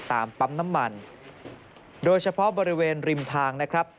ปั๊มน้ำมันโดยเฉพาะบริเวณริมทางนะครับ